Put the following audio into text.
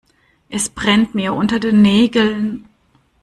Es brennt mir unter den Nägeln.